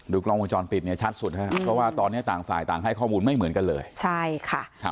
กล้องวงจรปิดเนี่ยชัดสุดฮะเพราะว่าตอนนี้ต่างฝ่ายต่างให้ข้อมูลไม่เหมือนกันเลยใช่ค่ะครับ